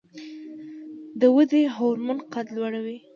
د ودې هورمون قد لوړوي